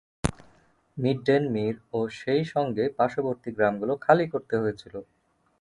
মিডডেনমির ও সেইসঙ্গে পার্শ্ববর্তী গ্রামগুলো খালি করতে হয়েছিল।